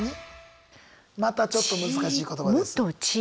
またちょっと難しい言葉です。